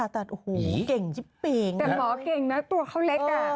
แต่หมอเก่งนะตัวเขาเล็กอ่ะ